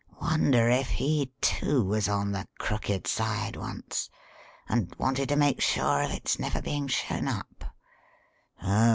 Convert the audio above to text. Wonder if he, too, was on the 'crooked side' once, and wanted to make sure of its never being shown up?